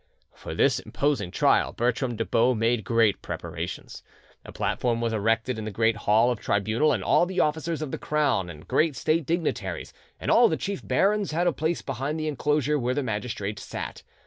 For this imposing trial Bertram de Baux made great preparations. A platform was erected in the great hall of tribunal, and all the officers of the crown and great state dignitaries, and all the chief barons, had a place behind the enclosure where the magistrates sat.